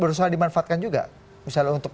berusaha dimanfaatkan juga misalnya untuk